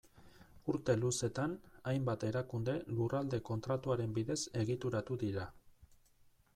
Urte luzetan, hainbat erakunde Lurralde Kontratuaren bidez egituratu dira.